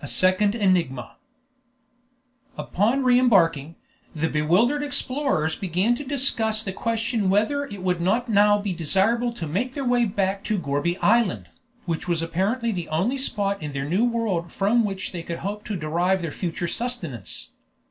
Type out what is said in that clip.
A SECOND ENIGMA Upon re embarking, the bewildered explorers began to discuss the question whether it would not now be desirable to make their way back to Gourbi Island, which was apparently the only spot in their new world from which they could hope to derive their future sustenance.